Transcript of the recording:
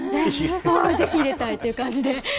ぜひ入れたいという感じで。